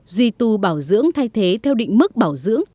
duy tu bảo dưỡng thay thế theo định mức bảo dưỡng